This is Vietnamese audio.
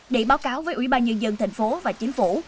để báo cáo với ủy ban nhân dân thành phố và chính phủ